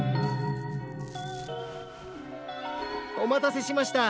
お待たせしました。